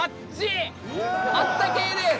あったけえです！